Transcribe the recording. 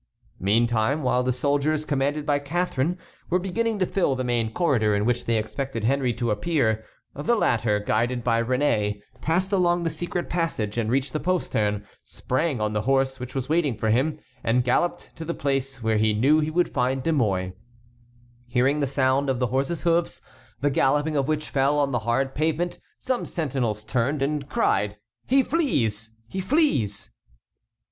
Meantime, while the soldiers, commanded by Catharine, were beginning to fill the main corridor in which they expected Henry to appear, the latter, guided by Réné, passed along the secret passage and reached the postern, sprang on the horse which was waiting for him, and galloped to the place where he knew he would find De Mouy. Hearing the sound of the horse's hoofs, the galloping of which fell on the hard pavement, some sentinels turned and cried: "He flees! He flees!"